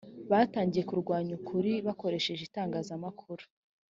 batangiye kurwanya ukuri bakoresheje itangazamakuru